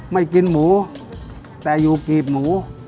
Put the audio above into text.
ไม่กินหมูแต่อยู่กรีบหมู